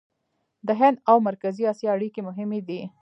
د هند او مرکزي اسیا اړیکې مهمې دي.